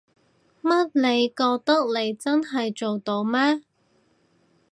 乜你覺得你真係做到咩？